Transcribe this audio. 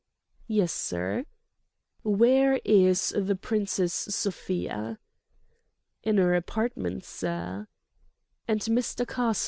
"Yes, sir?" "Where is the Princess Sofia?" "In 'er apartment, sir." "And Mr. Karslake?"